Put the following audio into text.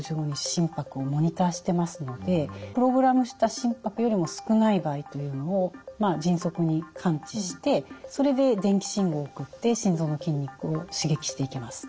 心拍をモニターしてますのでプログラムした心拍よりも少ない場合というのを迅速に感知してそれで電気信号を送って心臓の筋肉を刺激していきます。